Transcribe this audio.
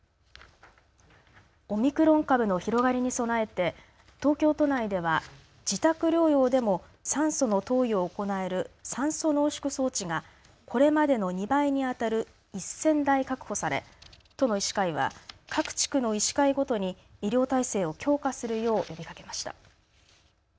オミクロン株の広がりに備えて東京都内では自宅療養でも酸素の投与を行える酸素濃縮装置がこれまでの２倍にあたる１０００台確保され都の医師会は各地区の医師会ごとに医療体制を強化するよう呼びかけました。